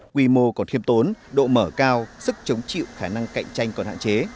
quy mô còn thiêm tốn độ mở cao sức chống chịu khả năng cạnh tranh còn hạn chế